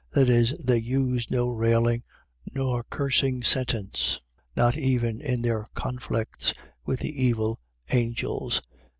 .That is, they use no railing, nor cursing sentence; not even in their conflicts with the evil angels.